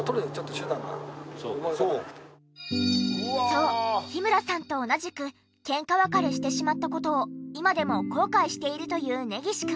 そう日村さんと同じくケンカ別れしてしまった事を今でも後悔しているという根岸くん。